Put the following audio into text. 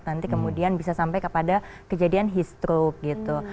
nanti kemudian bisa sampai kepada kejadian heat stroke gitu